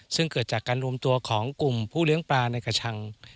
ซึ่งเกิดจากการรวมตัวของกลุ่มผู้เลี้ยงปลาในกระชัง